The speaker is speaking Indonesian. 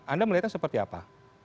anda melihatnya seperti apa